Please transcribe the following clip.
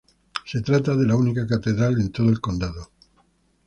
Se trata de la única catedral en todo el condado.